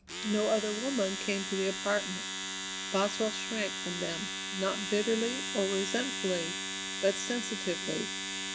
No other woman came to the apartment; Boswell shrank from them, not bitterly or resentfully, but sensitively.